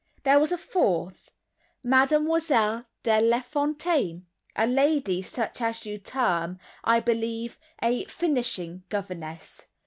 There was a fourth, Mademoiselle De Lafontaine, a lady such as you term, I believe, a "finishing governess."